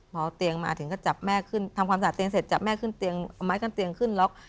พอเตียงมาถึงก็จับแม่ขึ้นทำความสะอาดเตียงเสร็จจับแม่ขึ้นเตียงเอาไม้กั้นเตียงขึ้นล็อก